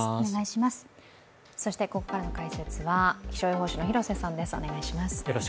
そして、ここからの解説は気象予報士の広瀬さんです。